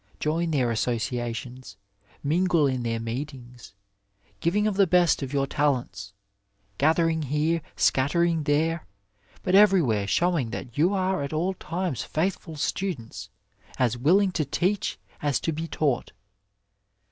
Join their associations, mingle in their meeidngs, giving of the best of your talents, gathering here, scattering there; but everywhere showing that you are at all times faithful students, as willing to teach as to be taught.